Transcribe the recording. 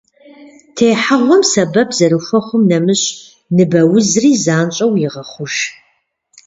Техьэгъуэм сэбэп зэрыхуэхъум нэмыщӏ, ныбэ узри занщӏэу егъэхъуж.